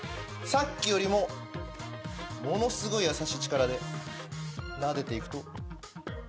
さっきよりもものすごいやさしい力でなでていくと。